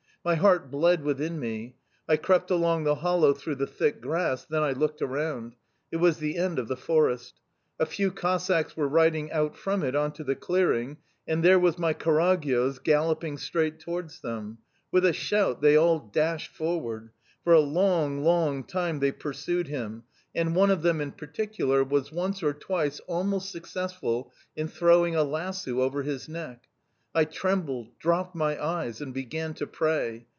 My heart bled within me. I crept along the hollow through the thick grass then I looked around: it was the end of the forest. A few Cossacks were riding out from it on to the clearing, and there was my Karagyoz galloping straight towards them. With a shout they all dashed forward. For a long, long time they pursued him, and one of them, in particular, was once or twice almost successful in throwing a lasso over his neck. "I trembled, dropped my eyes, and began to pray.